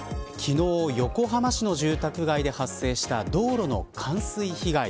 昨日、横浜市の住宅街で発生した道路の冠水被害。